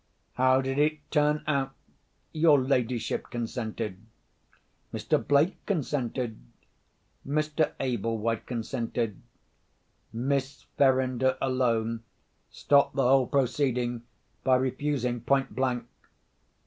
How did it turn out? Your ladyship consented; Mr. Blake consented; Mr. Ablewhite consented. Miss Verinder alone stopped the whole proceeding by refusing point blank.